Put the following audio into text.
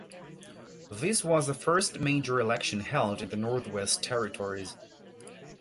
This was the first major election held in the Northwest Territories.